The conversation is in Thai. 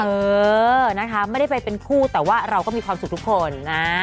เออนะคะไม่ได้ไปเป็นคู่แต่ว่าเราก็มีความสุขทุกคนนะ